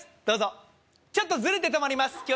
どうぞちょっとズレて止まります